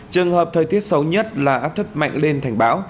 trường hợp thời tiết xấu nhất là áp thấp mạnh lên thành bão